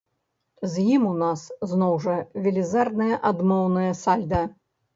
З ім у нас, зноў жа, велізарнае адмоўнае сальда.